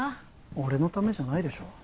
俺のためじゃないでしょ